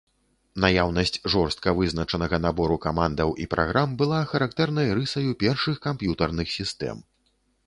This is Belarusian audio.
Наяўнасць жорстка вызначанага набору камандаў і праграм была характэрнай рысаю першых камп'ютарных сістэм.